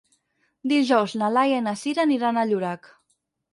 Dijous na Laia i na Sira aniran a Llorac.